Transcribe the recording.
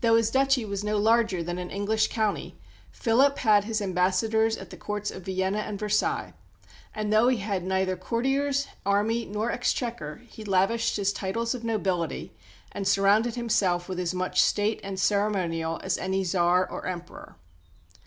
Though his duchy was no larger than an English county, Philip had his ambassadors at the Courts of Vienna and Versailles; and though he had neither courtiers, army, nor exchequer, he lavished his titles of nobility and surrounded himself with as much state and ceremonial as any Tsar or Emperor.